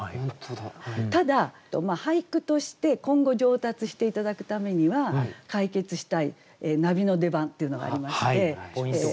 ただ俳句として今後上達して頂くためには解決したいナビの出番っていうのがありまして。